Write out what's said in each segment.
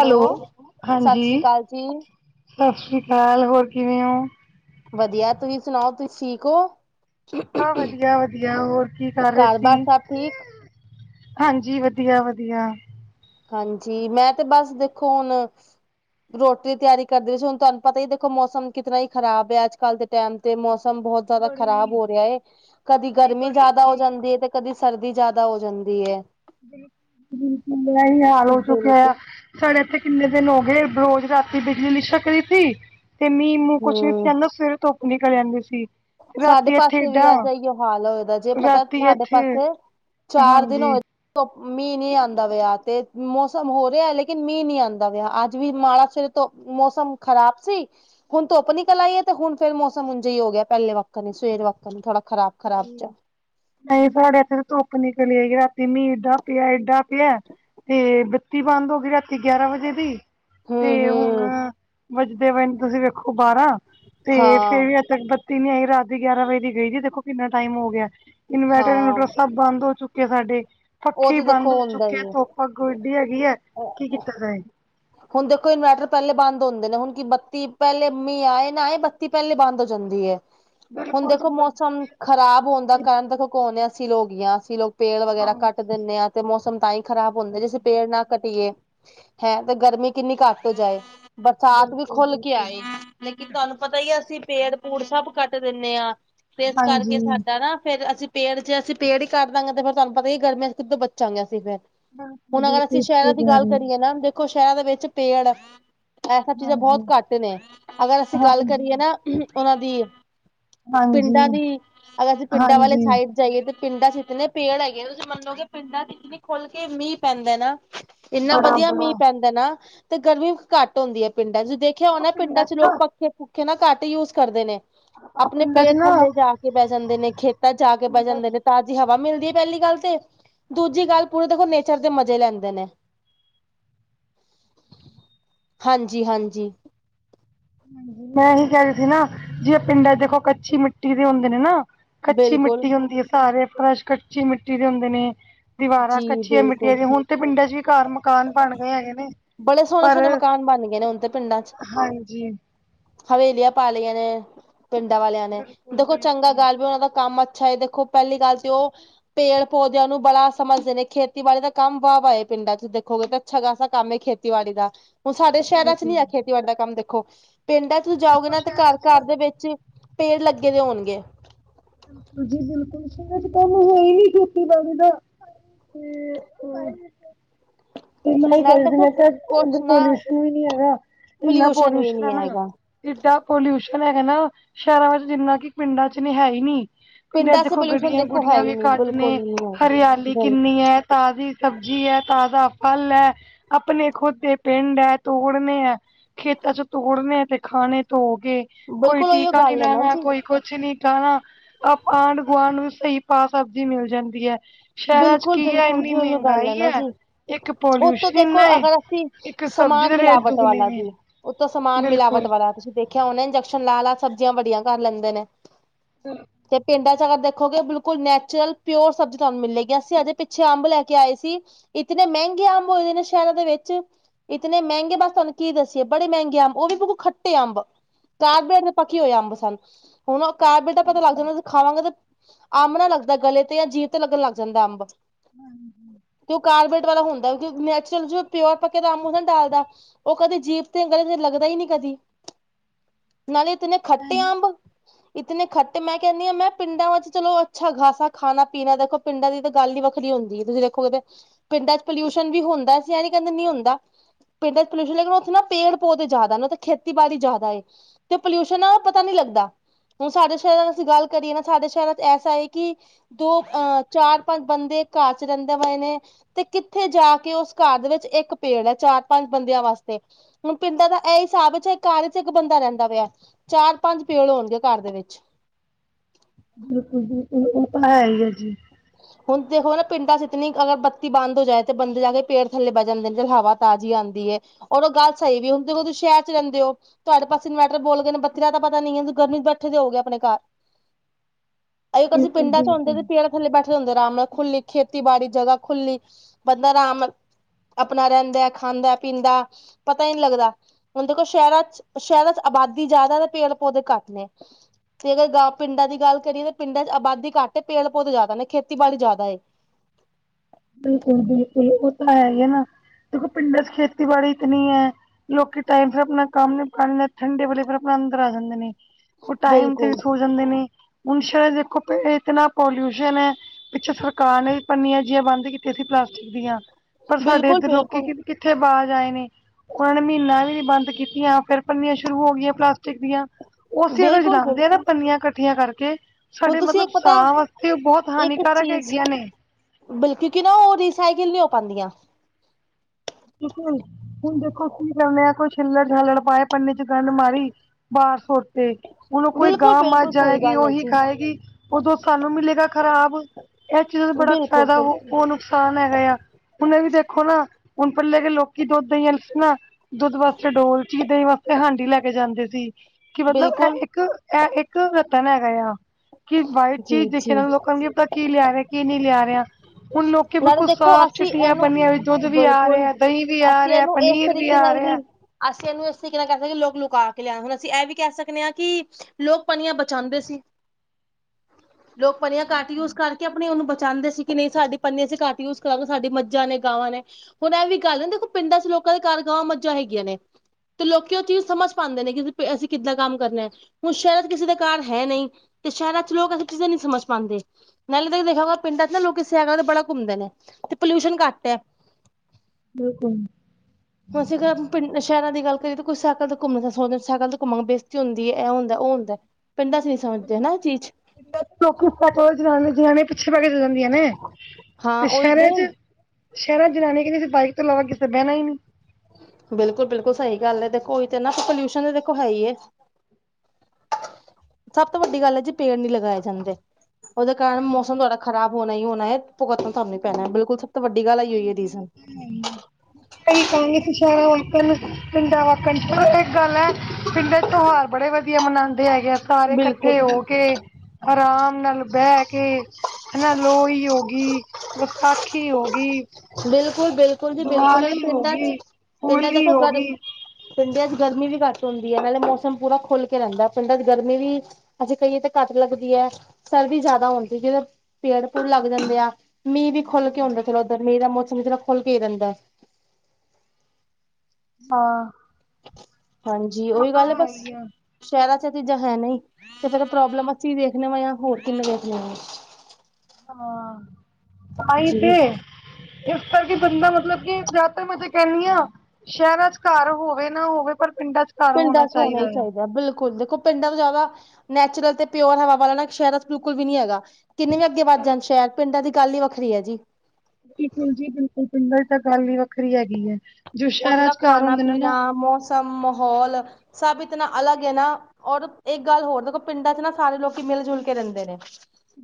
Hello, ਸਤਿ ਹਾਂਜੀ। ਸ੍ਰੀ ਅਕਾਲ ਜੀ ਸਤਿ ਸ੍ਰੀ ਅਕਾਲ। ਹੋਰ ਕਿਵੇਂ ਹੋ? ਵਧੀਆ। ਤੁਸੀਂ ਸੁਣਾਓ ਤੁਸੀਂ ਠੀਕ ਹੋ? ਹ ਵਧੀਆ- ਵਧੀਆ। ਹੋਰ ਕੀ ਕਰ ਰਹੇ ਘਰ ਸੀ? ਬਾਰ ਸਭ ਠੀਕ ਹਾਂਜੀ, ਵਧੀਆ -ਵਧੀਆ। ਹਾਂਜੀ। ਮੈਂ ਤੇ ਬਸ ਦੇਖੋ ਹੁਣ, ਰੋਟੀ ਦੀ ਤਿਆਰੀ ਕਰਦੇ ਰ ਸੀ ਹੁਣ ਤੁਹਾਨੂੰ ਪਤਾ ਹੀ ਦੇਖੋ, ਮੌਸਮ ਕਿਤਨਾ ਹੀ ਖਰਾਬ ਹੈ। ਅੱਜ ਕੱਲ੍ਹ ਦੇ ਟਾਈਮ ਤੇ ਮੌਸਮ ਬਹੁਤ ਜ਼ਿਆਦਾ ਖਰਾਬ ਬੜੀ ਹੋ ਰਿਹਾ ਹੈ। ਕਦੀ ਜੀ ਗਰਮੀ ਜਿਆਦਾ ਹੋ ਬੜੀ-ਬੜੀ ਜਾਂਦੀ ਹੈ ਤੇ ਕਦੀ ਸਰਦੀ ਜਿਆਦਾ ਹੋ ਜਾਂਦੀ ਹੈ। ਬਿਲੁ ਬਿਲਕੁਲ, ਬੁਰਾ ਹੀ ਹਾਲ ਹੋ ਚੁੱਕਿਆ। ਬਿਲਕੁਲ ਸਾਡੇ ਇੱਥੇ ਕਿੰਨੇ ਦਿਨ ਹੋ ਗਏ ਰੋਜ਼ ਰਾਤੀ ਬਿਜਲੀ ਨਹੀਂ ਛਕਦੀ ਸੀ। ਤੇ ਮੀਂ ਮੂੰਹ ਕੁੱਛ ਵੀ ਹਮ ਕਿੰ ਸਵੇ ਧੁੱਪ ਨਿਕਲ ਜਾਂਦੀ ਸੀ। ਸਾਡੇ ਰਾਤੀ ਇੱਥੇ ਪਾਸੇ ਵੀ ਏਡਾ, ਅੱਜ ਇਹੀਓ ਹਾਲ ਹੋਏ ਦਾ ਜੇ ਪਤਾ ਰਾਤੀ ਸਾਡੇ ਇੱਥੇ, ਪਾਸੇ ਚਾਰ ਹਾਂਜੀ। ਮੀਂਹ ਨੀ ਆਉਂਦਾ ਵਿਆ। ਤੇ ਮੌਸਮ ਹੋ ਰਿਹਾ ਲੇਕਿਨ ਮੀਂਹ ਨੀ ਆਉਂਦਾ ਵਿਆ। ਅੱਜ ਵੀ ਮਾੜਾ ਸਰੇ ਤੋਂ ਮੌਸਮ ਖ਼ਰਾਬ ਸੀ। ਹੁਣ ਧੁੱਪ ਨਿਕਲ ਆਈਏ ਤੇ ਹੁਣ ਫੇਰ ਮੌਸਮ ਉਜ ਹੀ ਹੋ ਗਿਆ। ਪਹਿਲੇ ਵੱਖਣ ਨੇ, ਸਵੇਰ ਵੱਖਣ, ਥੋੜਾ ਖਰਾਬ। ਜੀ। ਨਹੀਂ। ਸਾਡੇ ਇੱਥੇ ਤਾਂ ਧੁਪ ਨਿਕਲੀ ਹੈਗੀ ਰਾਤੀ ਮੀਂਹ ਏਡਾ ਪਿਆ, ਏਡਾ ਪਿਆ। ਤੇ ਬੱਤੀ ਬੰਦ ਹੋ ਗਈ ਰਾਤੀ ਗਿਆਰਾਂ ਵਜੇ ਦੀ। ਹਮ- ਤੇ ਹੁਣ ਹਮ। ਵੱਜਦੇ ਬਏਨ ਤੁਸੀਂ ਵੇਖੋ ਬਾਰਾਂ। ਤੇ ਹਾਂ ਫੇਰ ਵੀ ਤਗ ਬੱਤੀ ਨੀ ਆਈ। ਰਾਤ ਦੀ ਗਿਆਰਾਂ ਵਜੇ ਦੀ ਗਈ ਜ ਦੇਖੋ, ਕਿੰਨਾ ਟਾਈਮ ਹੋ ਗਿਆ। ਇਨਵੈਟਰ ਹਾਂ -ਇਨਟਰ ਸਭ ਬੰਦ ਹੋ ਚੁੱਕੇ ਸਾਡੇ। ਉਹ ਪੱਖੀ ਤੇ ਬੰਦ ਦੇਖੋ ਹੋ ਹੁੰਦਾ ਚੁੱਕਿਆ ਹੀ ਹੈ ਧੁੱਪ ਅੱਗੋਂ ਇੱਡੀ ਹੈਗੀ ਹੈ। ਕੀ ਕੀਤਾ ਜਾਏਗਾ। ਹ [inaudible] ਹੁਣ ਦੇਖੋ ਇਨਵਰਟਰ ਪਹਿਲੇ ਬੰਦ ਹੁੰਦੇ ਨੇ। ਹੁਣ ਕੀ ਬੱਤੀ ਪਹਿਲੇ ਮੀਂਹ ਆਏ -ਨਾਏ। ਬੱਤੀ ਪਹਿਲੇ ਬੰਦ ਹੋ ਜਾਂਦੀ ਹੈ। ਹੁਣ ਬਿਲਕੁਲ ਜੀ ਦੇਖੋ, ਮੌਸਮ ਬਿਲਕੁਲ ਖ਼ਰਾਬ ਹੋਣ ਦਾ ਕਾਰਨ ਦੇਖੋ ਕੌਣ ਅਸੀਂ ਲੋਕ ਹਾਂ। ਅਸੀਂ ਲੋਕ ਪੇੜ ਵਗੈਰਾ ਹਾਂ ਕੱਟ ਦਿੰਦੇ ਆਂ। ਤੇ ਮੌਸਮ ਤਾਂ ਹੀ ਖ਼ਰਾਬ ਹੁੰਦੇ। ਜੇਸੀਂ ਪੇੜ ਨਾ ਕਟੀਏ ਹੈਂ। ਤੇ ਗਰਮੀ ਕਿੰਨੀ ਘੱਟ ਜਾਏ ਬਰਸਾਤ ਵੀ ਬਿਲਕੁਲ ਖੁੱਲ ਕੇ ਬਿਲਕੁਲ ਆਏ। ਲੇਕਿਨ ਤੁਹਾਨੂੰ ਪਤਾ ਹੀ ਆ ਅਸੀਂ ਪੇੜ- ਪੂੜ ਸਭ ਕੱਟ ਦਿੰਦੇ ਹਾਂ। ਤੇ ਇਸ ਕਰਕੇ ਹਾਂਜੀ ਸਾਡਾ ਨਾ ਫੇਰ ਅਸੀਂ ਪੇੜੇ ਅਸੀਂ ਪੇੜ ਹੀ ਕੱਢਾਂਗੇ ਫਿਰ ਤੁਹਾਨੂੰ ਪਤਾ ਹੈ ਗਰੀਆਂ ਚ' ਕਿੱਦੋਂ ਬਚਾਂਗੇ ਅਸੀਂ ਫੇਰ। ਬਿਲਕੁਲ ਹੁਣ ਅਗਰ ਅਸੀਂ ਬਿਲਕੁਲ ਸ਼ਹਿਰਾਂ ਸਹੀ ਦੀ ਕਹਿ ਗੱਲ ਰਹੇ ਕਰੀਏ ਹੋ ਨਾ ਦੇ ਦੇਖੋ ਸ਼ਹਿਰਾਂ ਦੇ ਵਿੱਚ ਪੇੜ ਇਹ ਸਭ ਚੀਜ਼ਾਂ ਹਾਂਜੀ ਬਹੁਤ ਘੱਟ ਨੇ। ਅਗਰ ਅਸੀਂ ਗੱਲ ਕਰੀਏ ਹਾਂਜੀ, ਨਾ ਉਹਨਾਂ ਦੀ, ਹਾਂਜੀ, ਪਿੰਡਾਂ ਦੀ, ਅਗਰ ਅਸੀਂ ਪਿੰਡਾਂ ਵਾਲੇ ਹਾਂਜੀ ਸਡ ਜਾਈਏ ਤੇ ਪਿੰਡਾਂ ਚ' ਇਤਨੇ ਪੇੜ ਹੈਗੇ। ਤੁਸੀਂ ਮੰਨੋ ਕਿ ਪਿੰਡਾਂ ਚ' ਇਤਨੀ ਖੁੱਲ ਕੇ ਮੀਂਹ ਪੈਂਦਾ ਨਾ। ਇੰਨਾ ਬੜਾ, ਵਧੀਆ ਬੜਾ ਮੀਂਹ ਪੈਂਦਾ ਨਾ, ਤੇ ਗਰਮੀ ਘੱਟ ਹੁੰਦੀ ਹੈ। ਪਿੰਡਾਂ ਚ' ਦੇਖ ਪੱਖਿਆ ਹੋਣਾ ਪਿੰਡਾਂ ਚ' ਲੋਕ ਪੱਖੇ ਪੁੱਖੇ ਨਾ ਘੱਟ ਯੂਜ ਕਰਦੇ ਨੇ। ਆਪਾਂ ਆਪਣੇ ਪਿੰਡਾਂ ਚ ਪੇੜ ਨਾ ਥੱਲੇ ਜਾ ਕੇ ਬਹਿ ਜਾਂਦੇ ਨੇ, ਖੇਤਾਂ ਚ' ਜਾ ਕੇ ਬਹਿ ਪਿੰਡਾਂ ਚ ਜਾਂਦੇ ਨੇ। ਤਾਜ਼ੀ ਹਵਾ ਮਿਲਦੀ ਹੈ ਪਹਿਲੀ ਗੱਲ। ਤੇ ਦੂਜੀ ਗੱਲ ਪੂਰੇ ਦੇਖੋ, ਨੇਚਰ ਦੇ ਮਜੇ ਲੈਂਦੇ ਨੇ। ਹਾਂਜੀ- ਹਾਂਜੀ। ਮੈਂ ਹੀ ਕਹਿ ਰਹੀ ਸੀ ਨਾ। ਜਿ ਪਿੰਡਾਂ ਦੇਖੋ ਕਛੀ ਮਿੱਟੀ ਦੇ ਹੁੰਦੇ ਨੇ ਨਾ ਕੱਚੀ ਬਿਲਕੁਲ ਮਿੱਟੀ ਹੁੰਦੀ ਹੈ ਸਾਰੇ ਫਰੈਸ਼ ਕੱਚੀ ਮਿੱਟੀ ਦੇ ਹੁੰਦੇ ਨੇ। ਦੀਵਾਰਾਂ ਜੀ ਕੱਚੀਆਂ ਮਿੱਟੀਆਂ ਬਿਲਕੁਲ ਦੀ ਹੁਣਦੀਆਂ। ਤੇ ਪਿੰਡਾਂ ਚ' ਵੀ ਘਰ ਮਕਾਨ ਬਣ ਗਏ ਹੈਗੇ ਨੇ। ਬੜੇ ਸੋਹਨੇ ਪਰ -ਸੋਹਨੇ ਮਕਾਨ ਬਣ ਗਏ ਨੇ ਹੁਣ ਪਿੰਡਾਂ 'ਚ। ਹਾਂਜੀ। ਹਵੇਲੀਆਂ ਪਾ ਲਈਆਂ ਨੇ, ਪਿੰਡਾਂ ਵਾਲਿਆਂ ਨੇ, ਬਿਲਕੁਲ, ਦੇਖੋ ਚੰਗਾ ਬਿਲਕੁਲ ਗੱਲ ਵੀ ਉਹਨਾਂ ਦਾ ਕੰਮ ਅੱਛਾ ਏ ਦੇਖੋ ਪਹਿਲੀ ਗੱਲ ਤੇ ਓ ਪੇੜ ਪੌਦਿਆਂ ਨੂੰ ਬੜਾ ਸਮਝਦੇ ਨੇ, ਖੇਤੀਬਾੜੀ ਦਾ ਕੰਮ ਵਾਹ-ਵਾਹ ਪਿੰਡਾਂ 'ਚ ਦੇਖੋਗੇ ਤਾਂ ਅੱਛਾ ਖਾਸਾ ਕੰਮ ਹੈ ਖੇ ਤੀ ਬਾੜੀ ਦਾ। ਹੁਣ ਸਾਡੇ ਸ਼ਹਿਰਾਂ ਚ ਨੀ ਐ ਖੇਤੀਬਾੜੀ ਦਾ ਕੰਮ ਦੇਖੋ, ਪਿੰਡਾਂ ਚ ਤੁਸੀ ਜਾਓਗੇ ਦੇਖੋ ਨਾ ਤੇ ਸ਼ਹਿਰਾਂ ਘਰ-ਘਰ ਦੇ ਚ ਵਿੱਚ ਪੇੜ ਲੱਗੇ ਦੇ ਹੋਨਗੇ। ਜੀ ਬਿਲਕੁਲ ਸਹਿਰਾਂ 'ਚ ਕੰਮ ਹੈ ਈ ਨੀ ਖੇਤੀਬਾੜੀ ਦਾ। ਤੇ [inaudible] ਤੇ ਮੈਂ ਇਹ ਕਹਿ ਨਾਲੇ ਰੀ ਸੀ ਦੇਖੋ ਮੈਂ ਕਿਹਾ ਕੁਛ ਏਧਰ ਨਾ ਪੋਲਿਊਸ਼ਨ ਵੀ ਨੀ ਹੈਗਾ, ਇੰਨਾ ਵੀ ਪੋਲਿਊਸ਼ਨ ਨੀ ਹੈ ਨਾ ਹੈਗਾ ਈਡਾ ਪੋਲਿਊਸ਼ਨ ਹੈਗਾ ਨਾ ਸ਼ਹਿਰਾਂ ਚ ਜਿੰਨਾ ਕਿ ਪਿੰਡਾਂ 'ਚ ਨੀ ਹੈ ਈ ਨੀ। ਪਿੰਡਾਂ 'ਚ ਦੇਖੋ ਪੋਲਿਊਸ਼ਨ ਦੇਖੋ ਹੈ ਗੱਡੀਆਂ-ਗੁਡੀਆਂ ਹੀ ਵੀ ਨਹੀਂ ਘੱਟ ਬਿਲਕੁਲ ਨੇ, ਹੀ ਨਹੀਂ ਹੈਗਾ ਹਰਿਆਲੀ ਬਿਲਕੁਲ ਕਿੰਨੀ ਐ। ਤਾਜ਼ੀ ਸਬਜ਼ੀ ਐ, ਤਾਜ਼ਾ ਫਲ ਐ। ਅਪਨੇ ਖੁਦ ਦੇ ਪਿੰਡ ਐ, ਤੋੜਨੇ ਐ। ਖੇਤਾਂ 'ਚ ਤੋੜਨੇ ਐ ਤੇ ਖਾਨੇ ਧੋ ਕੇ, ਕੋਈ ਬਿਲਕੁਲ ਉਹੀਓ ਟੀਕਾ ਨੀ ਗੱਲ ਹੈ ਨਾ ਲਾਨਾ, ਜੀ ਕੋਈ ਕੁਛ ਨੀ। ਜਾਣਾ, ਆਪਾਂ ਆਂਢ ਗੁਆਂਢ ਨੂੰ ਵੀ ਸਹੀ ਭਾ ਸਬਜ਼ੀ ਮਿਲ ਜਾਂਦੀ ਐ। ਬਿਲਕੁਲ-ਬਿਲਕੁਲ ਜੀ ਏਈਓ ਗੱਲ ਹੈ ਨਾ ਜੀ। ਇੱਕ ਓ ਤੇ ਪੋਲਿਊਸ਼ਨ ਦੇਖੋ ਇੰਨਾ ਏ ਅਗਰ ਅਸੀਂ ਇੱਕ ਸਬਜ਼ੀ ਸਮਾਨ ਦੇ ਰੇਟ ਮਿਲਾਵਟ ਦੁੱਗਣੇ ਵਾਲਾ ਨੇ ਜੀ ਉੱਤੋਂ ਸਮਾਨ ਮਿਲਾਵਟ ਬਿਲਕੁਲ ਵਾਲਾ, ਤੁਸੀਂ ਦੇਖਿਆ ਹੋਣਾ ਇੰਜੈਕਸ਼ਨ ਲਾ ਲਾ ਸਬਜ਼ੀਆਂ ਵੱਡੀਆਂ ਕਰ ਲੈਂਦੇ ਨੇ। ਹੂੰ। ਤੇ ਪਿੰਡਾਂ 'ਚ ਅਗਰ ਦੇਖੋਗੇ ਬਿਲਕੁਲ ਨੈਚੁਰਲ ਪਿਓਰ ਸਬਜ਼ੀ ਤੁਹਾਨੂੰ ਮਿਲੇਗੀ। ਕਿ ਅਸੀਂ ਅਜੇ ਪਿੱਛੇ ਅੰਬ ਲੈ ਕੇ ਆਏ ਸੀ, ਇਤਨੇ ਮਹਿੰਗੇ ਅੰਬ ਹੋਗੇ ਨੇ ਸ਼ਹਿਰਾਂ ਦੇ ਵਿੱਚ। ਇਤਨੇ ਮਹਿੰਗੇ ਬਸ ਤੁਹਾਨੂੰ ਕੀ ਦਸੀਏ, ਬੜੇ ਮਹਿੰਗੇ ਅੰਬ ਉਹ ਵੀ ਪੂਰੇ ਖੱਟੇ ਅੰਬ। ਕਾਰਬੇਟ ਦੇ ਪੱਕੇ ਹੋਏ ਅੰਬ ਸਨ, ਹੁਨ ਓ ਕਾਰਬੇਟ ਦਾ ਪਤਾ ਲੱਗ ਜਾਂਦਾ ਅਸੀਂ ਖਾਵਾਂਗੇ ਤੇ ਅੰਬ ਨਾ ਲੱਗਦਾ ਗਲੇ ਤੇ ਯਾ ਜੀਭ ਤੇ ਲੱਗਣ ਲੱਗ ਜਾਂਦਾ ਅੰਬ। ਹਾਂਜੀ। ਤੇ ਉਹ ਕਾਰਬੇਟ ਵਾਲਾ ਹੁੰਦਾ, ਕਿਉਂਕਿ ਨੈਚੁਰਲ ਜੋ ਪਿਓਰ ਪੱਕੇ ਦਾਂ ਅੰਬ ਹੁੰਦਾ ਡਾਲ ਦਾ। ਉਹ ਕਦੇ ਜੀਭ ਤੇ ਗਲ਼ੇ ਦੇ ਲੱਗਦਾ ਹੀ ਨੀ ਕਦੀ, ਨਾਲੇ ਇਤਨੇ ਖੱਟੇ ਅੰਬ। ਇਤਨੇ ਖੱਟੇ ਮੈਂ ਕਹਿਨੀ ਆਂ ਮੈਂ ਪਿੰਡਾਂ ਚ ਚਲੋ ਅੱਛਾ ਖ਼ਾਸਾ ਖਾਣਾ ਪੀਣਾ ਦੇਖੋ ਪਿੰਡਾਂ ਦੀ ਤੇ ਗੱਲ ਹੀ ਵੱਖਰੀ ਹੁੰਦੀ ਏ ਤੁਸੀਂ ਦੇਖੋ ਤੇ। ਪਿੰਡਾਂ 'ਚ ਪੋਲਿਊਸ਼ਨ ਵੀ ਹੁੰਦਾ, ਅਸੀਂ ਐ ਨੀ ਕਹਿੰਦੇ ਨਹੀਂ ਹੁੰਦਾ। ਪਿੰਡ 'ਚ ਪੋਲਿਸ਼ਨ ਲੇਕਨ ਉੱਥੇ ਨਾ ਪੇੜ ਪੌਦੇ ਜ਼ਿਆਦਾ, ਉੱਥੇ ਖੇਤੀਬੜੀ ਜ਼ਿਆਦਾ ਏ। ਤੇ ਪੋਲਿਊਸ਼ਨ ਨਾ ਪਤਾ ਨੀ ਲੱਗਦਾ। ਹੁਨ ਸਾਡੇ ਸ਼ਹਿਰਾਂ, ਅਸੀਂ ਗੱਲ ਕਰੀਏ ਨਾ ਸਾਡੇ ਸ਼ਹਿਰਾਂ 'ਚ ਐਸਾ ਹੈ ਕਿ ਦੋ ਅਹ ਚਾਰ-ਪੰਜ ਬੰਦੇ ਘਰ 'ਚ ਰਹਿੰਦੇ ਪਏ ਨੇ‌ ਤੇ ਕਿੱਥੇ ਜਾ ਕੇ ਉਸ ਘਰ ਦੇ ਵਿੱਚ ਇੱਕ ਪੇੜ ਐ, ਚਾਰ ਪੰਜ ਬੰਦਿਆਂ ਵਾਸਤੇ। ਹੁਨ ਪਿੰਡਾਂ ਦਾ ਐ ਹਿਸਾਬ ਏ ਚਾਹੇ ਘਰ 'ਚ ਇੱਕ ਬੰਦਾ ਰਹਿੰਦਾ ਪਿਆ ਐ। ਚਾਰ-ਪੰਜ ਪੇੜ ਹੋਨਗੇ ਘਰ ਦੇ ਵਿੱਚ। ਬਿਲਕੁਲ-ਬਿਲਕੁਲ, ਉਹ ਤਾਂ ਹੈ ਹੀ ਹੈ ਜੀ। ਹੁਨ ਦੇਖੋ ਨਾ ਪਿੰਡਾਂ 'ਚ ਇਤਨੀ ਅਗਰ ਬੱਤੀ ਬੰਦ ਹੋ ਜਾਏ ਤੇ ਬੰਦੇ ਜਾ ਕੇ ਪੇੜ ਥੱਲੇ ਬਹਿ ਜਾਂਦੇ ਨੇ ਹਵਾ ਤਾਜ਼ੀ ਆਂਦੀ ਏ ਔਰ ਉਹ ਗੱਲ ਸਹੀ ਵੀ ਏ, ਹੁਨ ਤੁਸੀਂ ਸ਼ਹਿਰ 'ਚ ਰਹਿੰਦੇ ਹੋ। ਤੁਹਾਡੇ ਪਾਸੇ ਇਨਵੈਟਰ ਬੋਲ ਗਏ ਨੇ, ਬੱਤੀਆਂ ਦਾ ਤਾਂ ਪਤਾ ਨਹੀਂ, ਗਰਮੀ 'ਚ ਬੈਠੇ ਦੇ ਹੋਗੇਏ ਆਪਨੇ ਘਰ। ਆਈ ਅਗਰ ਅਸੀ ਬਿਲਕੁਲ ਪਿੰਡਾਂ 'ਚ ਹੁੰਦੇ ਤੇ ਬਿਲਕੁਲ ਫੇਰ ਥੱਲੇ ਬੈਠੇ ਹੁੰਦੇ ਆਰਾਮ ਨਾਲ, ਖੁੱਲੀ ਖੇਤੀਬਾੜੀ, ਜਗ੍ਹਾ ਖੁੱਲੀ ਬੰਦਾ ਅਰਾਮ ਨਾਲ ਆਪਨਾ ਰਹਿੰਦਾ ਐ ਖਾਂਦਾ ਪੀਂਦਾ, ਪਤਾ ਹੀ ਨਹੀਂ ਲੱਗਦਾ। ਹੁਣ ਦੇਖੋ ਸ਼ਹਿਰਾਂ 'ਚ ਸ਼ਹਿਰਾਂ 'ਚ ਆਬਾਦੀ ਜ਼ਿਆਦਾ ਤੇ ਪੇੜ ਪੌਦੇ ਘੱਟ ਨੇ। ਤੇ ਅਗਰ ਪਿੰਡਾਂ ਦੀ ਗੱਲ ਕਰੀਏ ਤਾਂ ਪਿੰਡਾਂ 'ਚ ਆਬਾਦੀ ਘੱਟ, ਪੇੜ ਪੌਦੇ ਜ਼ਿਆਦਾ ਨੇ, ਖੇਤੀਬਾੜੀ ਜ਼ਿਆਦਾ ਏ। ਬਿਲਕੁਲ-ਬਿਲਕੁਲ, ਉਹ ਤਾਂ ਹੈ ਹੀ ਨਾ ਦੇਖੋ ਪਿੰਡਾਂ 'ਚ ਖੇਤੀਬਾੜੀ ਇਤਨੀ ਹੈ। ਲੋਕੀ ਟਾਈਮ ਸਿਰ ਆਪਣਾ ਕੰਮ ਨਿਪਟਾ ਲੈਂਦੇ, ਠੰਡੇ ਵੇਲੇ ਫਿਰ ਆਪਣਾ ਅੰਦਰ ਆ ਜਾਂਦੇ ਨੇ। ਉਹ ਟਾਈਮ ਤੇ ਬਿਲਕੁਲ ਵੀ ਸੋ ਜਾਂਦੇ ਨੇ ਹੁਣ ਸ਼ਹਿਰਾਂ ਦੇਖੋ ਇਤਨਾ ਪੋਲਿਊਸ਼ਨ ਹੈ। ਪਿੱਛੇ ਸਰਕਾਰ ਨੇ ਪੰਨੀਆਂ ਜਿਹੀਆਂ ਬੰਦ ਕੀਤੀਆਂ ਸੀ। ਪਲਾਸਟਿਕ ਦੀਆਂ ਪਰ ਸਾਡੇ ਬਿਲਕੁਲ ਇੱਧਰ ਲੋਕੀ ਬਿਲਕੁਲ ਕੀ। ਕਿੱਥੇ ਬਾਜ਼ ਆਏ ਨੇ ਉਹਨਾਂ ਨੇ ਮਹੀਨਾ ਵੀ ਨੀ ਬੰਦ ਕੀਤੀਆਂ ਫੇਰ ਪੰਨੀਆਂ ਸ਼ੁਰੂ ਹੋ ਗਈਆਂ। ਪਲਾਸਟਿਕ ਦੀਆਂ ਉਹ ਅਸੀਂ ਅਗਰ ਬਿਲਕੁਲ ਜਲਾਉਂਦੇ ਹਾਂ ਨਾ ਬਿਲਕੁਲ ਪੰਨੀਆਂ ਇਕੱਠੀਆਂ ਕਰਕੇ। ਹੁਣ ਸਾਡੇ ਤੁਸੀਂ ਮਤਲਬ ਇੱਕ ਪਤਾ ਸਾਹ ਵਾਸਤੇ ਉਹ ਬਹੁਤ ਹਾਨੀਕਾਰਕ ਹੈਗੀਆਂ ਨੇ। ਬਲਕਿ ਕਿਉਂਕਿ ਨਾ ਉਹ ਰੀਸਾਈਕਲ ਨਹੀਂ ਹੋ ਪਾਉਂਦੀਆਂ। ਕਿਉਂ। ਹੁਣ ਦੇਖੋ ਕੀ ਕਰਨੇ ਆ ਕੋਈ ਛਿੱਲੜ ਛਲੜ ਪਾਏ ਪੰਨੇ 'ਚ ਗੰਢ ਮਾਰੀ ਬਾਹਰ ਸੁੱਟ। ਤੇ ਹੁਣ ਉਹ ਕੋਈ ਬਿਲਕੁਲ ਗਾਂ, ਬਿਲਕੁਲ ਮੱਝ ਸਹੀ ਆਏਗੀ ਗੱਲ ਹੈ ਉਹੀ ਜੀ ਖਾਏਗੀ। ਉਦੋਂ ਸਾਨੂੰ ਮਿਲੇਗਾ ਖ਼ਰਾਬ ਇਹ ਚੀਜ਼ਾਂ ਦਾ ਬੜਾ ਬਿਲਕੁਲ ਫਾਇਦਾ ਹੋ ਬਿਲਕੁਲ ਉਹਨ ਨੁਕਸਾਨ ਹੈਗਾ ਆ ਹੁਨੇ ਵੀ ਦੇਖੋ ਨਾ ਹੁਣ ਪੱਲੇ ਕਿ ਲੋਕੀ ਦੁੱਧਈਆਂ ਲ ਨਾ ਦੁੱਧ ਵਾਸਤੇ ਡੋਲ ਚੀ ਦੇ ਵਾਸਤੇ ਹਾਂਡੀ ਲੈ ਕੇ ਜਾਂਦੇ ਸੀ ਕਿ ਮਤਲਬ ਬਿਲਕੁਲ ਇਹ ਇੱਕ ਇਹ ਇੱਕ ਰਤਨ ਹੈਗਾ ਆ ਕਿ ਵਾਈਟ ਜੀ ਚੀਜ਼ ਦੇਖੇ ਜੀ ਇਹ ਲੋਕਾਂ ਨੂੰ ਵੀ ਪਤਾ ਕੀ ਲਿਆ ਰਿਹਾ ਕੀ ਨਹੀਂ ਲਿਆ ਰਿਹਾ ਹੁਣ ਲੋਕ ਨਾਲੇ ਬਿਲਕੁਲ ਦੇਖੋ ਸਾਫ਼ ਅਸੀਂ ਛੁਟੀਆਂ ਇਹਨੂੰ ਬਣੀਆਂ ਵੀ ਦ ਵੀ ਆ ਬਿਲਕੁਲ ਰਿਹਾ ਦਹੀਂ ਵੀ ਆ ਅਸੀਂ ਰਿਹਾ ਇਹਨੂੰ ਇਸ ਪਨੀਰ ਵੀ ਤਰੀਕੇ ਆ ਨਾਲ ਰਿਹਾ ਅਸੀਂ ਇਹਨੂੰ ਇਸ ਤਰੀਕੇ ਨਾਲ ਕਹਿ ਸਕਦੇ ਲੋਕ ਲੁਕਾ ਕੇ ਲਿਆਦੇ ਹੁਣ ਅਸੀਂ ਇਹ ਵੀ ਕਹਿ ਸਕਦੇ ਹਾਂ ਕਿ ਲੋਕ ਪਾਣੀਆਂ ਬਚਾਉਂਦੇ ਸੀ ਲੋਕ ਪਰਿਆ ਕਾਟ ਉਸ ਕਰਕੇ ਆਪਣੇ ਉਹਨੂੰ ਬਚਾਉਂਦੇ ਸੀ ਕਿ ਨਹੀਂ ਸਾਡੀ ਪੰਨੀ ਅਸੀਂ ਘੱਟ ਯੂਜ ਕਰਾਂਗੇ ਸਾਡੀ ਮੱਝਾਂ ਨੇ ਗਾਵਾਂ ਨੇ ਹੁਣ ਇਹ ਵੀ ਗੱਲ ਦੇਖੋ ਪਿੰਡਾਂ ਚ ਲੋਕਾਂ ਦੇ ਕਾਰਗਹਾਂ ਮੱਝਾਂ ਹੈਗੀਆਂ ਨੇ ਤੇ ਲੋਕੀ ਉਹ ਚੀਜ਼ ਸਮਝ ਪਾਉਂਦੇ ਨੇ ਕਿ ਅਸੀਂ ਕਿੱਦਾਂ ਕੰਮ ਕਰਨਾ ਹੁਣ ਸ਼ਹਿਰ ਚ ਕਿਸੇ ਦੇ ਘਰ ਹੈ ਨਹੀਂ ਤੇ ਸ਼ਹਿਰਾਂ ਚ ਲੋਕ ਐਸੀ ਚੀਜ਼ਾਂ ਨਹੀਂ ਸਮਝ ਪਾਉਂਦੇ ਨਾਲੇ ਤੱਕ ਦੇਖਾਗਾ ਪਿੰਡਾਂ ਨਾ ਲੋਕ ਇਸੇ ਜਗਾ ਤੇ ਬੜਾ ਘੁੰਮਦੇ ਨੇ ਤੇ ਪੋਲਿਊਸ਼ਨ ਘੱਟ ਹੈ ਬਿਲਕੁਲ [inaudible] ਹੁ ਅਸੀਂ ਅਗਰ ਆਪ ਪਿੰਡ ਸ਼ਹਿਰ ਦੀ ਗੱਲੀਏ ਤਾਂ ਕੋਈ ਸਾਈਕਲ ਤੇ ਘੁੰਮਣ ਸੋਚਦੇ ਸਾਈਕਲ ਤੇ ਘੁੰਮਣ ਬੇਜ਼ਤੀ ਹੁੰਦੀ ਹੈ ਇਹ ਹੁੰਦਾ ਉਹੁੰਦਾ ਪਿੰਡਸੀ ਨਹੀਂ ਸਮਝਦੇ ਨਾ ਚੀਜ਼ ਚੌਕੈ ਜਨਾਨ ਜਨਾਨੀਆਂ ਪਿੱਛੇ ਪੈ ਕੇ ਚ ਜਾਂਦੀਆਂ ਨੇ ਹਾਂ ਤੇ ਉਹੀ ਸ਼ਹਿਰਾਂ ਚ ਸ਼ਹਿਰਾਂ ਜਨਾਨੀਆਂ ਕਹਿੰਦੀ ਸੀ ਬਾਈਕ ਤੋਂ ਲਵਾ ਕੇ ਕਿਸੇ ਬਹਿਣਾ ਹੀ ਨ ਨਹੀਂ ਬਿਲਕੁਲ ਬਿਲਕੁਲ ਸਹੀ ਗੱਲ ਦੇਖੋ ਤੇ ਨਾ ਪੋਲਿਊਸ਼ਨ ਦੇਖੋ ਹੈ ਹੀਏ ਸਭ ਤੋਂ ਵੱਡੀ ਗੱਲ ਹੈ ਜੀ ਪੇੜ ਨੀ ਲਗਾਏ ਜਾਂਦੇ ਉਹਦੇ ਕਾਰਨ ਮੌਸਮ ਥੋਡਾ ਖ਼ਰਾਬ ਹੋਣਾ ਹੀ ਹੋਣਾ ਹੈ ਭਤਮ ਕਰਨੀ ਪੈਣਾ ਬਿਲੁਲ ਸਭ ਤੋਂ ਵੱਡੀ ਗੱਲ ਆਈ ਹੈ ਰੀਜ਼ਨ ਕਹਾਂਗੇਸ਼ਾਰਾਂ ਵਾਕਣ ਪਿੰਡ ਵਾਕ ਇੱਕ ਗੱਲ ਹੈ ਪਿੰਡ ਦੇ ਤਿਉਹਾਰ ਬੜੇ ਵਧੀਆ ਮਨਾਉਂਦੇ ਹੈਗੇ ਆ ਸਾਰੇ ਬਿਲਕੁਲ ਇਕੱਠੇ ਹੋ ਕੇ ਆਰਾਮ ਨਾਲ ਬਹਿ ਕੇ ਹਨਾ ਲੋਹੀ ਹੋ ਗਗੀ ਵਿਸਾਖੀ ਜੋ ਗਗੀ ਬਿਲਕੁਲ ਬਿਲਕੁਲ ਜੀ ਬਿਲਕੁਲ ਨਾਲ ਹੋ ਪਿੰਡਾਂ ਚ ਗਈ, ਪਿੰਡਾਂਚ ਹੋਲੀ ਦੇਖੋ ਹੋ ਗਈ ਗਰਮ ਪਿੰਡਾਂ ਚ ਗਰਮੀ ਵੀ ਘੱਟ ਹੁੰਦੀ ਹੈ ਨਾਲੇ ਮੌਸਮ ਪੂਰਾ ਖੁੱਲ ਕੇ ਰਹਿੰਦਾ ਪਿੰਡਾਂ ਗਰਮੀ ਵੀ ਅਸੀਂ ਕਹੀਏ ਤਾਂ ਘੱਟ ਲੱਗਦੀ ਹੈ ਸਰਦੀ ਜ਼ਿਆਦਾ ਹੁੰਦੀ ਜ ਪੇੜ ਪੂੜ ਲੱਗ ਜਾਂਦੇ ਆ ਮੀਂਹ ਵੀ ਖੁੱਲ ਕੇ ਆੁੰਦਾ ਚੋੱਧਰ ਮੀਹ ਦਾ ਮੌਸਮ ਵੀ ਚ ਖੁੱਲ ਕੇ ਹੀ ਰਹਿੰਦਾ ਹਾਂ ਹਾਂਜੀ ਉਹ ਉਓਹੀ ਤਾਂ ਗੱਲ ਹੈ ਬਸ ਹੀ ਆ ਸ਼ਹਿਰਾਂ ਚ ਇਹ ਚੀਜ਼ਾਂ ਹੈ ਨ ਤੇ ਫੇਰ ਪ੍ਰੋਬਲਮ ਅਸੀ ਦੇਖ ਲ ਵਾਂ ਜਾਂ ਹੋਰ ਕਿੰਨੇ ਦੇਖ ਲ ਹਾਂ ਆਈ ਜੀ ਤੇ ਇਸ ਕਰਕੇ ਬੰਦਾ ਮਤਲਬ ਕਿ ਜਾਂਤਰ ਮੈਂ ਤੇ ਕਹਿੰਦੀ ਹਾਂ ਸ਼ਹਿਰਾਂ ਚ ਘਰ ਹੋਵੇ ਨਾ ਹੋਵੇ ਪਰ ਪਿੰਡਾਂ ਚ ਘਰ ਪਿੰਡ ਹੋਣਾ ਦਾ ਸੋਣਾ ਹੀ ਆ ਚਾਹੀਦਾ ਬਿਲਕੁਲ ਦੇਖੋ ਪਿੰਡਾਂ ਤੋਂ ਜ਼ਿਆਦਾ ਨੈਚੁਰਲ ਤੇ ਪਿਓਰ ਹਵਾ ਵਾਲਾ ਨਾ ਸ਼ਹਿਰਾਂ ਚ ਬਿਲਕੁਲ ਵੀ ਨੀ ਹੈਗਾ ਕਿੰਨੇ ਵੀ ਅੱਗੇ ਵੱਧ ਜਾਣ ਸ਼ਹਿਰ ਪਿੰਡਾਂ ਦੀ ਗੱਲ ਹੀ ਵੱਖਰੀ ਹੈ ਜੀ ਬਿਲਕੁਲ ਜੀ ਬਿਲਕੁਲ ਪਿੰਗਲ ਤਾਂ ਗੱਲ ਹੀ ਵੱਖਰੀ ਹੈਗੀ ਹੈ ਜੋ ਸ਼ਹਿਰਾਂ ਚ ਘਰ ਹੁੰਦੇ ਨੇ ਨਾ ਸ ਮਾਹੌਲ ਸਭ ਇਤਨਾ ਅਲਗ ਹੈ ਨਾ ਔਰ ਇੱਕ ਗੱਲ ਹੋਰ ਦੇਖੋ ਪਿੰਡਾਂ ਚ ਨਾ ਸਾਰੇ ਲੋਕੀ ਮਿਲ ਜੁਲ ਕੇ ਰਹਿੰਦੇ ਨੇ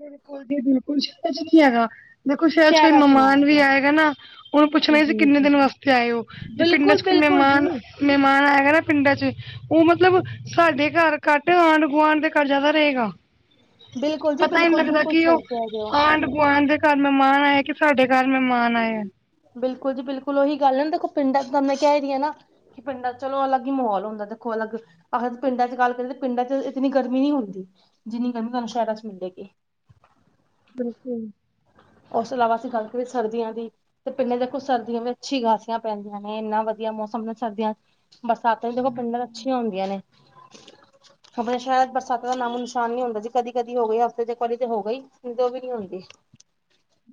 ਬਿਲਕੁਲ ਜੀ ਬਿਲਕੁਲ ਸ਼ਹਿਰ ਚ ਨੀ ਹੈਗਾ ਦੇਖੋ ਸ਼ਹਿਰ ਚ ਕੋਈ ਸ਼ਹਿਰਾਂ ਨੀ ਮਹਿਮਾਨ ਵੀ ਹੈਗਾ ਆਏਗਾ ਨਾ ਉਹਨੂੰ ਪੁੱਛਣਾ ਸੀ ਜੀ ਕਿੰਨੇ ਜੀ ਦਿਨ ਵਾਸਤੇ ਆਏ ਹੋ ਜ ਪਿੰਡਾਂ ਬਿਲਕੁਲ ਚ ਬਿਲਕੁਲ ਜੀ ਮਹਿਮਾਨ ਮਹਿਮਾਨ ਆਏਗਾ ਨਾ ਪਿੰਡਾਂ ਚ ਉਹ ਮਤਲਬ ਸਾਡੇ ਘਰ ਘੱਟ ਆਂਢ ਗੁਆਂਢ ਦੇ ਘਰ ਜ਼ਿਆਦਾ ਰਹੇਗਾ ਬਿਲਕੁਲ। ਜੀ ਪਤਾ ਹੀ ਨਹੀਂ ਬਿਲਕੁਲ ਲੱਗਦਾ ਬਿਲਕੁਲ ਕਿ ਸਹੀ ਕਹਿ ਰਹੇ ਉਹ ਹੋ ਆਂਢ ਗੁਆਂਢ ਦੇ ਘਰ ਮਹਿਮਾਨ ਆਏ ਕੇ ਸਾਡੇ ਘਰ ਮਹਿਮਾਨ ਆਇਆ। ਬਿਲਕੁਲ ਜੀ ਬਿਲਕੁਲ ਉਹੀ ਗੱਲ ਨਾ ਦੇਖੋ ਪਿੰਡਾਂ ਚ ਤਾਂ ਮੈਂ ਕੈ ਹੀ ਦੀ ਨ ਕਿ [unintelligible] ਚਲੋ ਅਲੱਗ ਹੀ ਮਾਹੌਲ ਹੁੰਦਾ ਦੇਖੋ ਅਲੱਗ ਆਹਦ ਪਿੰਡਾਂ ਚ ਗੱਲ ਕਰੀਏ ਤਾਂ ਪਿੰਡਾਂ ਚ ਇਤਨੀ ਗਰਮੀ ਨੀ ਹੁੰਦੀ, ਜਿੰਨੀ ਗਰਮੀ ਤੁਹਾਨੂੰ ਸ਼ਹਿਰਾਂ ਚ ਮਿਲੇਗੀ। ਬਿਲਕੁਲ। ਉਸ ਤੋਂ ਇਲਾਵਾ ਅਸੀਂ ਗੱਲ [unintelligible] ਸਰਦੀਆਂ ਦੀ ਤੇ ਪਿੰਨੇ ਦੇਖੋ ਸਰਦੀਆਂ ਵਿੱਚ ਅੱਛੀ ਗਾਸੀਆਂ ਪੈਂਦੀਆਂ ਨੇ ਇੰਨਾ ਵਧੀਆ ਮੌਸਮ ਨੇ ਸਰਦੀਆਂ ਬਰਸਾਤ ਦੇਖੋ ਪਿੰਡਾਂ ਅੱਛੀਆਂ ਹੁੰਦੀਆਂ ਨੇ। ਆਪਣੇ ਸ਼ਹਿਰ ਚ ਬਰਸਾਂ ਦਾ ਨਾਮ ਨਿਸ਼ਾਨ ਨੀ ਹੁੰਦਾ ਜੀ, ਕਦੀ-ਕਦੀ ਹੋਈ ਹਫ਼ਤੇ ਚ ਕਲੀ ਤੇ ਹੋ ਗਈ। ਦ ਵੀ ਨੀ ਹੁੰਂਦੀ।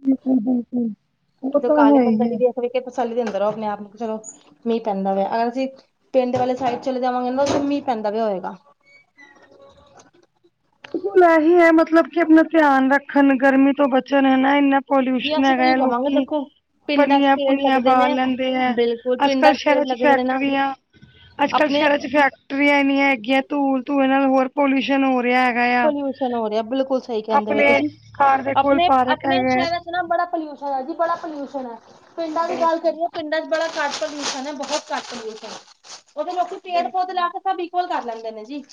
ਬਿਲਕੁਲ-ਬਿਲਕੁਲ ਉਹ ਜਦੋਂ ਤਾਂ ਕਾਲੇ ਹੈ ਹੀ ਹੈ। [unintelligible] ਆਪਣੇ ਆਪ ਨੂੰ ਚਲੋ ਮੀਂਹ ਪੈਂਦਾਆ ਅਗਰ ਅਸੀਂ ਪਿੰਡ ਵਾਲੇ ਸਾਈਡ ਚਲੇ ਜਾਵਗੇ ਨਾ ਮੀਂਹ ਪੈਂਦਾ ਵੀ ਹੋਏਗਾ। ਬਿਲਕੁਲ ਇਹੀ ਹੈ ਮਤਲਬ ਕਿ ਆਪਣਾ ਧਿਆਨ ਰੱਖਣ, ਗਰਮੀ ਤੋਂ ਬਚਣ ਹਨਾ ਇੰਨਾ ਜੀ ਪੋਲਿਊਸ਼ਨ ਅਸੀਂ ਹੈਗਾ ਤਾਂ ਹੈ ਇਹੀ ਕਵਾਂਗੇ ਲੋਕੀ ਦੇਖੋ ਪਿੰਡਾਂ ਚ ਪੰਨੀਆਂ ਪੇੜ ਪੁੰਨੀਆਂ ਲੱਗਦੇ ਬਾਲ ਨੇ ਲੈਂਦੇ ਹੈ ਬਿਲਕੁਲ ਅੱਜ ਪਿੰਡਾਂ ਕੱਲ੍ਹ ਪੇੜ ਸ਼ਹਿਰਾਂ ਚ ਲੱਗਦੇ ਨੇ ਨਾ ਫੈਕਟਰੀਆਂ, ਅੱਜ ਕੱਲ੍ਹ ਆਪਣੇ ਸ਼ਹਿਰਾਂ ਚ ਫੈਕ ਟਰੀਆਂ ਇਨੀਆਂ ਹੈਗੀਆਂ ਧੂਲ ਧੂਏ ਨਾਲ ਹੋਰ ਪੋਲਿਊਸ਼ਨ ਹੋ ਰਿਹਾ। ਹੈਗਾ ਆ। ਪੋਲਿਊਸ਼ਨ ਹੋ ਰਿਹਾ ਬਿਲਕੁਲ ਸਹੀ ਕਹਿੰਦੇ ਹੋ ਆਪਣੇ ਤੁਸੀਂ। ਘਰ ਦੇ ਕੋਲ ਪਾਰਕ ਆਪਣੇ-ਆਪਣੇ ਹੈਗਾ। ਸ਼ਹਿਰਾਂ ਬੜਾ ਪੋਲਿਊਸ਼ਨ ਹੈ ਜੀ ਬੜਾ ਪੋਊਸ਼ਨ ਹੈ ਪਿੰਡਾਂ ਦੀ ਗੱਲ ਬਿਲਕੁਲ ਕਰੀਏ ਪਿੰਡਾਂ ਚ ਬੜਾ ਘੱਟ ਪ੍ਰਦੂਸ਼ਣ ਹੈ, ਬਹੁਤ ਘੱਟ ਪ੍ਰਦੂਸ਼ਣ ਹੈ। ਉਹਦੇ ਲੋਕੀ ਪੇੜ ਪੌਦੇ ਬਿਲਕੁਲ ਲਾ ਕੇ। ਸਭ ਈਕੁਅਲ ਕਰ ਲੈਂਦੇ ਨੇ ਜੀ,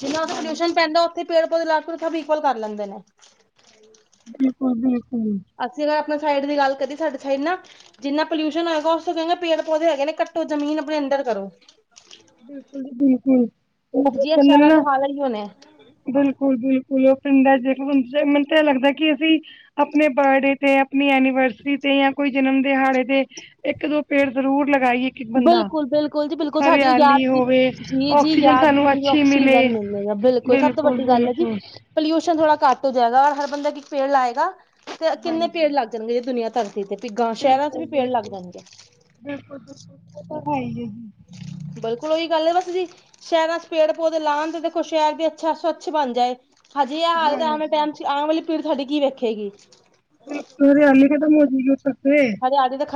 ਜਿੰਨਾ ਉਹਦਾ ਪੋਲਿਊਸ਼ਨ ਹਾਂਜੀ। ਪੈਂਦਾ। ਤੇ ਪੇੜ ਪੌਦੇ ਲਾ ਕੇ ਸਭ ਇਕੁਅਲ ਕਰ ਲੈਂਦੇ ਨੇ। ਬਿਲਕੁਲ-ਬਿਲਕੁਲ ਅਸੀ ਅਗਰ ਆਪਣੇ ਸਾਈਡ ਦੀ ਗੱਲ ਕਰੀਏ ਸਾਡੇ ਸਾਈਡ ਨਾ ਜਿੰਨਾ ਪੋਲਿਊਸ਼ਨ ਹੋਏਗਾ ਉਸ ਤੋਂ ਚੰਗਾ ਪੇੜ ਪੌਦੇ ਹੈਗੇ ਨੇ ਕੱਟੋ ਜ਼ਮੀਨ ਆਪਣੇ ਅੰਦਰ ਕਰੋ। ਬਿਲਕੁਲ ਜੀ ਬਿਲਕੁਲ ਜੀ ਇਹ ਸ਼ਹਿਰਾਂ ਦੇ [unintelligible] ਹਾਲ ਇਹੀਓ ਨੇ ਬਿਲਕੁਲ-ਬਿਲਕੁਲ ਉਹ ਪਿੰਡਾ ਜੇ ਮੈਨੂੰ ਤਾਂ ਇਹ ਲੱਗਦਾ ਕਿ ਅਸੀ ਆਪਣੇ ਬਰਡੇ ਤੇ ਆਪਣੀ ਐਨੀਵਰਸਰੀ ਤੇ ਜਾ ਕੋਈ ਜਨਮ ਦਿਹਾੜੇ ਤੇ ਇੱਕ ਦੋ ਪੇੜ ਜ਼ਰੂਰ ਲਗਾਈਏ। ਇੱਕ-ਇੱਕ ਬੰਦਾ, ਬਿਲਕੁਲ-ਬਿਲਕੁਲ ਜੀ ਬਿਲਕੁਲ ਸਾਡੀ। ਹਰਿਆਲੀ ਯਾਦਗਿਰੀ ਹੋਵੇ ਜੀ-ਜੀ ਆਕਸੀਜਨ ਸਾਨੂੰ ਯਾਦਗਿਰੀ ਅੱਛੀ ਮਿਲੇ, ਆਕਸੀਜਨ ਮਿਲੇਗਾ ਬਿਲਕੁਲ ਸਭ ਤੋਂ ਵੱਡੀ ਗੱਲ ਹੈ ਜੀ। ਬਿਲਕੁਲ-ਬਿਲਕੁਲ। ਪੋਲਿਊਸ਼ਨ ਥੋੜਾ ਘੱਟ ਹੋ ਜਾਏਗਾ ਹਰ ਬੰਦਾ ਇੱਕ-ਇੱਕ ਪੇੜ ਲਾਏਗਾ ਤੇ ਕਿੰਨੇ ਹਾਂਜੀ। ਪੇੜ ਲੱਗ ਜਾਣਗੇ ਜ ਦੁਨੀਆਂ ਧਰ ਤੇ ਪੀ ਗਾਂ ਸ਼ਹਿਰਾਂ 'ਚ ਵੀ ਪੇੜ ਲੱਗ ਬਿਲਕੁਲ-ਬਿਲਕੁਲ, ਜਾਂਦੇ ਏ। ਬਿਲਕੁਲ-ਬਿਲਕੁਲ ਓਹ ਤੇ ਹੈ ਕਿ ਏ। ਬਿਲਕੁਲ ਓਹੀ ਗੱਲ ਹੈ ਬਸ ਜੀ। ਸ਼ਹਿਰਾਂ 'ਚ ਪੇੜ ਪੌਦੇ ਲਉਣ ਤੇ ਦੇਖੋ ਸ਼ਹਿਰ ਦੀ ਅੱਛਾ ਸਵੱਛ ਬਣ ਜਾਏ। ਹਜੇ ਇਹ ਹਾਲਤ ਆ ਤੇ ਆਨ ਆਲੇ ਹਾਂਜੀ। ਟਾਈਮ 'ਚ ਆਨ ਵਾਲੀ ਪੀੜੀ ਸਾਡੀ ਕੀ ਵੇਖੇਗੀ। ਹਰਿਆਲੀ ਖਤਮ ਹੋ ਜਾਏਗੀ ਉਧਰ ਤੇ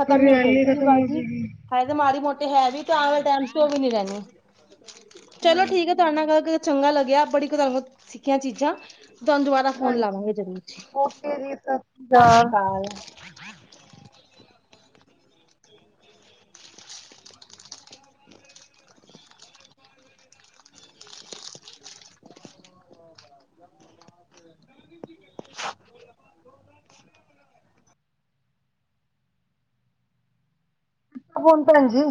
ਹਰਿਆਲੀ ਖਤਮ ਹੋ ਜਾਏਗੀ। ਹਲੇ ਤੇ ਮਾੜੀ ਮੋਟੇ ਹੈ ਵੀ ਤੇ ਆਨ ਵਾਲੇ ਟਾਈਮ 'ਚ ਉਹ ਵੀ ਨੀ ਰਹਿਣੀ ਚਲੋ ਠੀਕ ਹਾਂਜੀ, ਹੈ ਤੁਹਾਏ ਨਾਲ ਗਲ ਕਰ ਚੰਗਾ ਲੱਗਿਆ ਬੜੀ ਕੁ ਦਾਰ [unintelligible] ਦਿੱਖੀਆਂ ਚੀਜ਼ਾਂ। ਤੁਹਾਨੂੰ ਦੁਬਾਰਾ ਫੋਨ ਹਾਂਜੀ ਲਾਵਾਂਗੇ ਜ਼ਰੂਰ ਜੀ ੳਕੇ ਜੀ ਸ ਸਤਿ ਸ਼੍ਰੀ ਅਕਾਲ। [inaudible] ਹੋਰ ਭੈਣ ਜੀ।